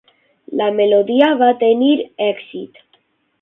La melodia va tenir èxit.